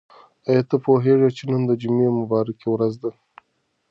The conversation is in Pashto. آیا ته پوهېږې چې نن د جمعې مبارکه ورځ ده؟